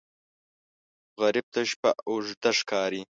غریب ته شپه اوږده ښکاري